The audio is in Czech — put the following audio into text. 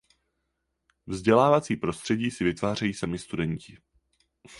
Vzdělávací prostředí si vytvářejí sami studenti.